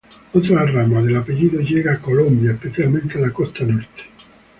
Otra rama del apellido llega a Colombia, especialmente a la costa norte.